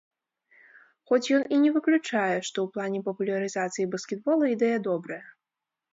Хоць ён і не выключае, што ў плане папулярызацыі баскетбола ідэя добрая.